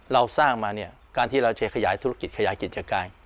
เราสร้างมาเนี่ยการที่เราจะขยายธุรกิจขยายกิจการ